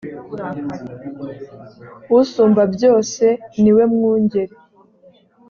usumba byose niwe mwungeri .